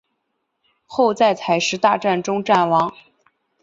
后在采石大战中战亡。